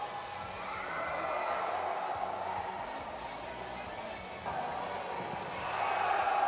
สวัสดีครับทุกคน